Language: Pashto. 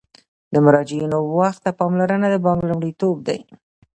د مراجعینو وخت ته پاملرنه د بانک لومړیتوب دی.